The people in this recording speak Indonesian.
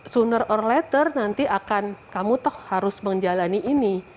sooner or letter nanti akan kamu toh harus menjalani ini